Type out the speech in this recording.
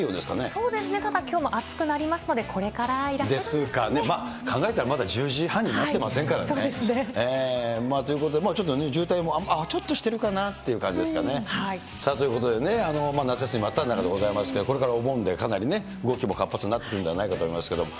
そうですね、ただ、きょうも暑くなりますので、ですかね、まあ、考えたらまだ１０時半になってませんからね。ということで、ちょっと渋滞も、あっ、ちょっとしてるかなっていう感じですかね。ということでね、夏休み真っただ中でございますけれどもね、これからお盆でかなり動きも活発になってくるんではないかと思いますけれども。